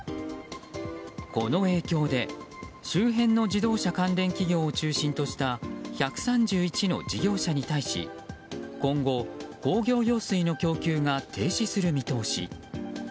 この影響で周辺の自動車関連企業を中心とした１３１の事業者に対し今後、工業用水の供給が停止する見通し。